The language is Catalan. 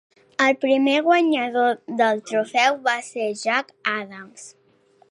El primer guanyador del trofeu va ser Jack Adams.